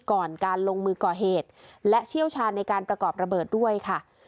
ก่อนการลงมือก่อเหตุและเชี่ยวชาญในการประกอบระเบิดด้วยค่ะ